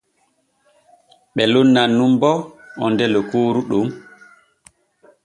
Ɓe lonnan nun bo onde lokooru ɗon.